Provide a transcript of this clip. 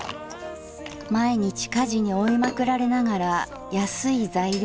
毎日家事に追いまくられながら安い材料をやりくりして。